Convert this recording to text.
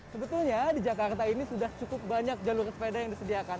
sebetulnya di jakarta ini sudah cukup banyak jalur sepeda yang disediakan